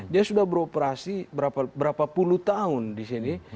dia sudah beroperasi berapa puluh tahun di sini